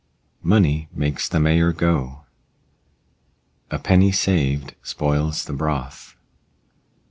Money makes the mayor go. A penny saved spoils the broth.